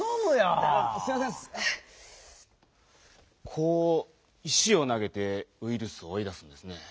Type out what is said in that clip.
こう石をなげてウイルスをおい出すんですね。